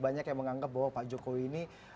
banyak yang menganggap bahwa pak jokowi ini